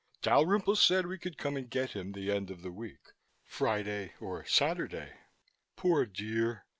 Dalrymple said we could come and get him the end of the week Friday or Saturday. Poor dear.